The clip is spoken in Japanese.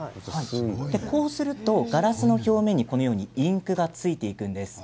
こうするとガラスの表面にインクがついていくんです。